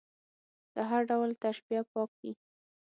له هر ډول تشبیه پاک وي.